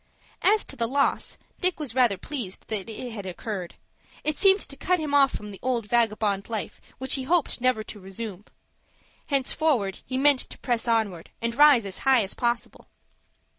As to the loss, Dick was rather pleased that it had occurred. It seemed to cut him off from the old vagabond life which he hoped never to resume. Henceforward he meant to press onward, and rise as high as possible.